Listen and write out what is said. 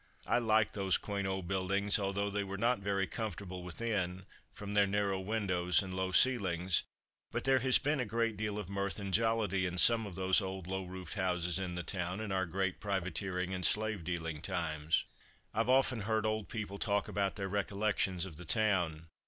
I like those quaint old buildings although they were not very comfortable within, from their narrow windows and low ceilings, but there has been a great deal of mirth and jollity in some of those old low roofed houses in the town, in our great privateering and slave dealing times. I have often heard old people talk about their "Recollections" of the town.